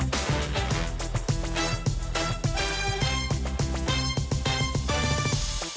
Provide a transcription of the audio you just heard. ติดตามต่อไป